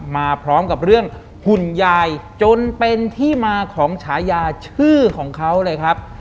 มาพร้อมกับเรื่องหุ่นยายจนเป็นที่มาของฉายาชื่อของเขาเลยครับ